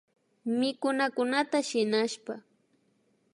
Mikunakunata shinashpa